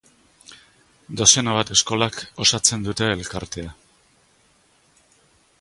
Dozena bat eskolak osatzen dute elkartea.